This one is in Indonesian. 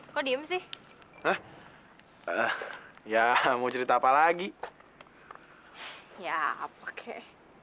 aku diem sih ya mau cerita apa lagi ya apa kayak